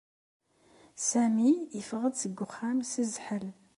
Sami yeffeɣ-d seg uxxam s zzḥel.